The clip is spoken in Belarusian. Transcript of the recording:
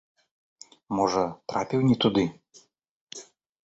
Можа, трапіў не туды?